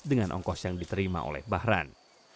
dengan ongkos yang diterima oleh bahran